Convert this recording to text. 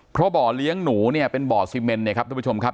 เพราะบ่อเลี้ยงหนูเนี่ยเป็นบ่อซีเมนเนี่ยครับทุกผู้ชมครับ